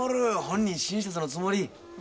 本人親切のつもり。